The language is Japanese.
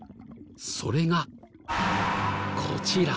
それがこちら。